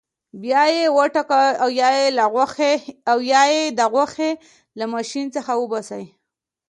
بیا یې وټکوئ او یا یې د غوښې له ماشین څخه وباسئ.